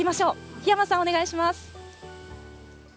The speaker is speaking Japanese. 檜山さん、お願いします。